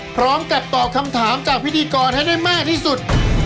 พร้อมกัดตอบคำถามจากพิธีกรให้ได้แม่ที่สุด